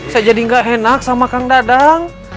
saya jadi gak enak sama kang dadang